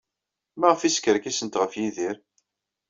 Maɣef ay skerkisent ɣef Yidir?